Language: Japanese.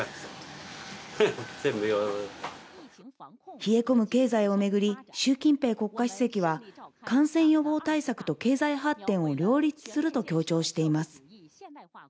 冷え込む経済をめぐり、シュウ・キンペイ国家主席は感染予防対策と経済発展を両立すると強調しています。